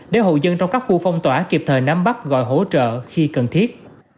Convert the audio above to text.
để hộ dân trong các khu phong tỏa kịp thời nắm bắt gọi hỗ trợ khi cần thiết